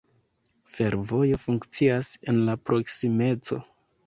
Fervojo funkcias en la proksimeco.